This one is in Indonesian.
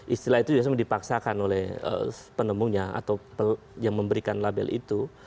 istilah itu biasanya dipaksakan oleh penemunya atau yang memberikan label itu